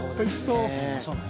うまそうね